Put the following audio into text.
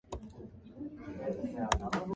Sushany is the nearest rural locality.